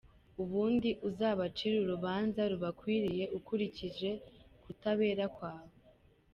Ubundi uzabacire urubanza rubakwiriye ukurikije kutabera kwawe.